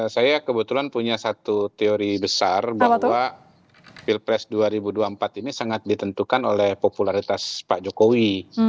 saya kebetulan punya satu teori besar bahwa pilpres dua ribu dua puluh empat ini sangat ditentukan oleh popularitas pak jokowi